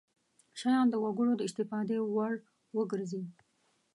شیان د وګړو د استفادې وړ وګرځي.